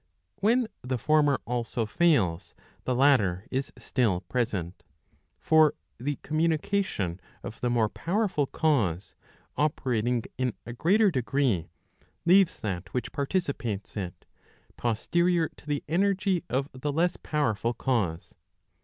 When the former also fails, the latter is still present. For the communication of the more powerful cause, operating in a greater degree, leaves that which participates it, posterior to the energy of the less powerful cause.